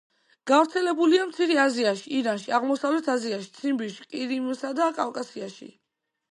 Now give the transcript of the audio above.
გავრცელებულია მცირე აზიაში, ირანში, აღმოსავლეთ აზიაში, ციმბირში, ყირიმსა და კავკასიაში.